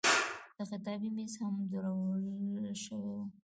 د خطابې میز هم درول شوی و.